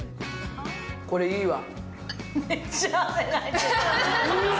これ、いいわ。